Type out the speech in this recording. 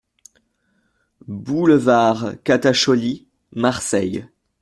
Boulevard Catacholi, Marseille